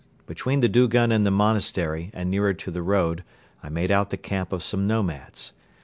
Between the dugun and the monastery and nearer to the road I made out the camp of some nomads.